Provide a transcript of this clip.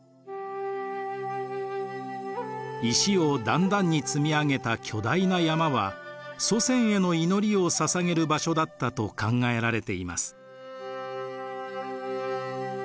石を段々に積み上げた巨大な山は祖先への祈りをささげる場所だったと考えられています。